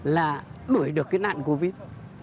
là đuổi được cái nạn covid